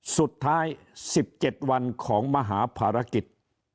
สุดท้าย๑๗วันของมหาภารกิจ